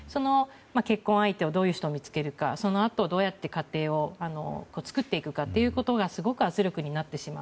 結婚相手をどういう人を見つけるかそのあとどうやって家庭を作っていくかということがすごく圧力になってしまう。